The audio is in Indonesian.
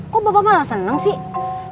kok bapak malah seneng sih